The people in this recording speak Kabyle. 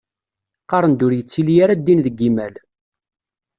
Qqaren-d ur yettili ara ddin deg yimal.